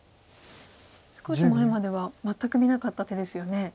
少し前までは全く見なかった手ですよね。